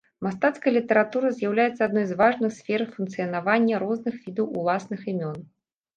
Мастацкая літаратура з'яўляецца адной з важных сфер функцыянавання розных відаў уласных імён.